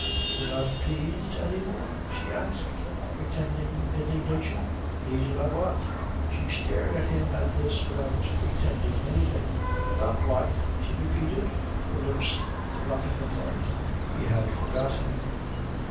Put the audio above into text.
You're not pleased any more?" she asked, pretending indignation. "Pleased about what?" She stared at him at this without pretending anything. "About what?" she repeated, her lips dropping apart. He had forgotten.